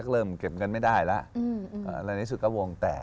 เริ่มเก็บเงินไม่ได้ละแล้วในสุดก็วงแตก